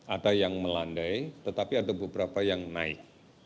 ada yang melandai tetapi ada beberapa yang naik